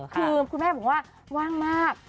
คือคุณแม่บอกว่าว่างมาก